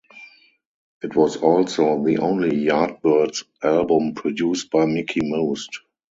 It was also the only Yardbirds album produced by Mickie Most.